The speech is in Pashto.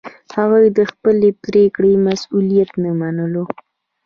هغوی د خپلې پرېکړې مسوولیت نه منلو.